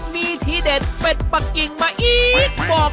มีที่เดชเบ็ดปักกิ่งมาอีก